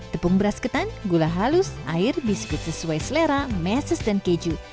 tepung beras ketan gula halus air biskuit sesuai selera meses dan keju